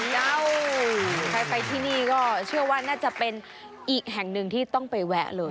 เดาใครไปที่นี่ก็เชื่อว่าน่าจะเป็นอีกแห่งหนึ่งที่ต้องไปแวะเลย